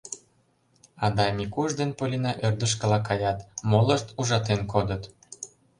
Адай Микуш ден Полина ӧрдыжкыла каят, молышт ужатен кодыт.